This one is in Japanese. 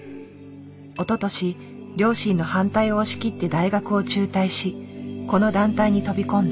おととし両親の反対を押し切って大学を中退しこの団体に飛び込んだ。